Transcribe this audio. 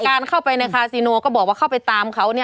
การเข้าไปในคาซิโนก็บอกว่าเข้าไปตามเขา